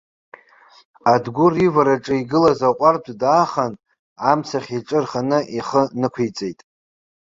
Адгәыр ивараҿы игылаз аҟәардә даахан, амцахь иҿы рханы ихы нықәиҵеит.